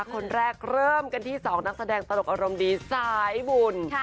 คนแรกเริ่มกันที่๒นักแสดงตลกอารมณ์ดีสายบุญ